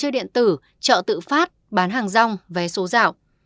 bản tử chợ tự phát bán hàng rong vé số rảo